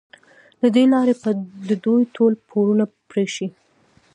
له دې لارې به د دوی ټول پورونه پرې شي.